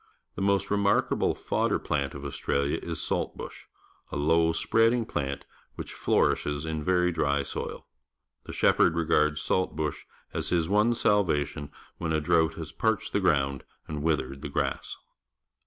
The most remarkable f odder plant of AustraUa is .salt bush — a low, spreadinu; plant which flourishes in very diy soil. The shepherd regards salt bush as his one salvation when a drought has parched the ground and with ered the grass.